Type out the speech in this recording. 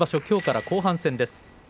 きょうから後半戦です。